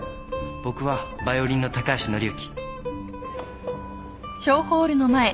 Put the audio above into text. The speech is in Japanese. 僕はバイオリンの高橋紀之。